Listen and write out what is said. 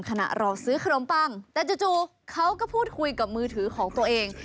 รอซื้อขนมปังแต่จู่เขาก็พูดคุยกับมือถือของตัวเอง